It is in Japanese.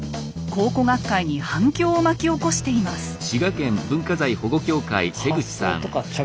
考古学会に反響を巻き起こしています。